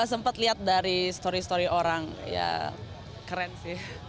sempat lihat dari story story orang ya keren sih